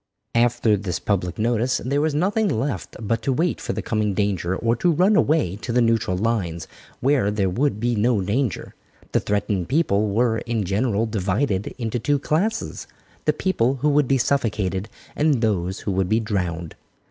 After this public notice there was nothing left but to wait for the coming danger or to run away to the neutral lines, where there would be no danger. The threatened people were, in general, divided into two classes "the people who would be suffocated and those who would be drowned."